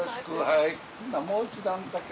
もう一段だけ。